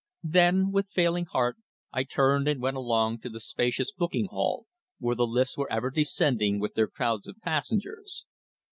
Then, with failing heart, I turned and went along to the spacious booking hall, where the lifts were ever descending with their crowds of passengers.